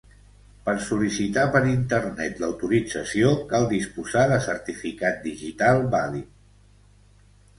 Per sol·licitar per Internet l'autorització cal disposar de certificat digital vàlid.